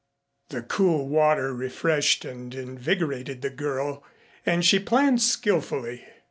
The cool water refreshed and invigorated the girl, and she planned skillfully.